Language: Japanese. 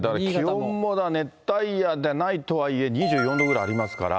気温も熱帯夜でないとはいえ、２４度ぐらいありますから。